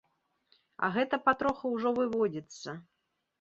А гэта патроху ўжо выводзіцца.